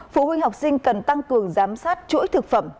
phụ huynh học sinh cần tăng cường giám sát chuỗi thực phẩm